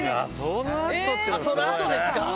そのあとですか。